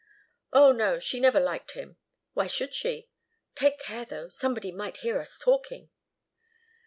"Oh, no she never liked him. Why should she? Take care, though! somebody might hear us talking."